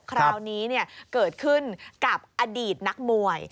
คราวนี้เกิดขึ้นกับอดีตนักมวย